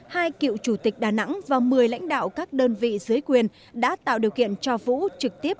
hai cựu chủ tịch đà nẵng và một mươi lãnh đạo các đơn vị dưới quyền đã tạo điều kiện cho vũ trực tiếp